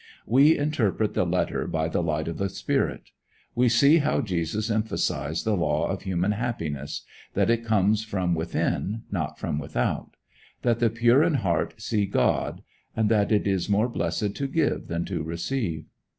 We interpret the letter by the light of the spirit. We see how Jesus emphasized the law of human happiness, that it comes from within, not from without; that the pure in heart see God, and that it is more blessed to give than to receive.